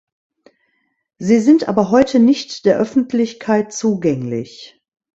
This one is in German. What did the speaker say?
Sie sind aber heute nicht der Öffentlichkeit zugänglich.